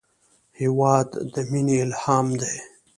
هېواد د مینې الهام دی.